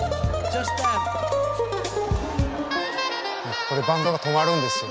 ここでバンドが止まるんですよ。